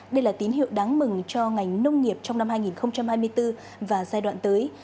đây là tín hiệu đáng mừng cho ngành nông nghiệp trong năm hai nghìn hai mươi bốn và giai đoạn tới